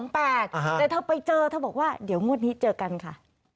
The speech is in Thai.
แต่เธอไปเจอเธอบอกว่าเดี๋ยวงวดนี้เจอกันค่ะ